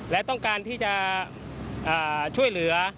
และต้องการที่จะช่วยเหลือ